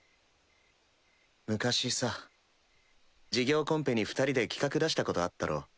昔さ事業コンペに二人で企画出したことあったろ